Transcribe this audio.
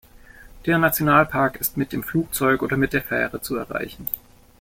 Der Nationalpark ist mit dem Flugzeug oder mit der Fähre zu erreichen.